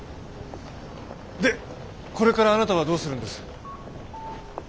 でこれからあなたはどうするんです？